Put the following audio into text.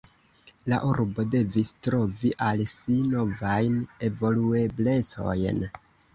La urbo devis trovi al si novajn evolueblecojn.